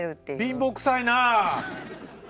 貧乏くさいなあ！